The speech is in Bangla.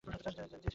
জি, সেটা পরে বলছি।